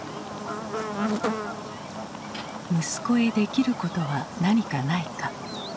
息子へできることは何かないか。